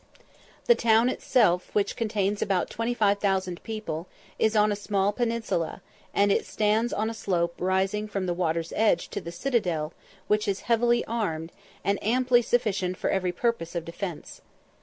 The town itself, which contains about 25,000 people, is on a small peninsula, and stands on a slope rising from the water's edge to the citadel, which is heavily armed, and amply sufficient for every purpose of defence.